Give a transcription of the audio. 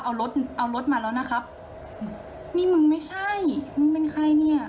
เอารถเอารถมาแล้วนะครับนี่มึงไม่ใช่มึงเป็นใครเนี่ย